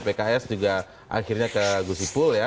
pks juga akhirnya ke gusipul ya